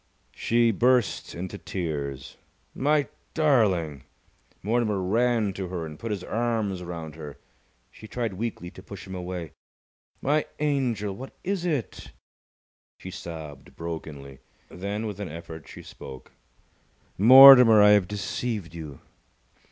She burst into tears. "My darling!" Mortimer ran to her and put his arms round her. She tried weakly to push him away. "My angel! What is it?" She sobbed brokenly. Then, with an effort, she spoke. "Mortimer, I have deceived you!"